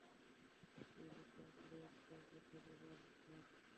এই লোক আসলেই একটা বদ্ধ পাগল, হাহ?